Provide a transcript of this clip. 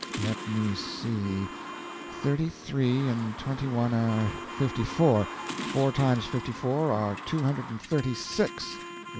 let me see.... Thirty three and twenty one are fifty four; four times fifty four are two hundred and thirty six.